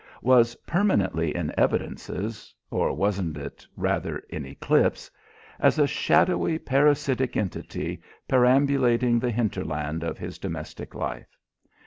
Was permanently in evidences or wasn't it, rather, in eclipse? as a shadowy parasitic entity perambulating the hinterland of his domestic life.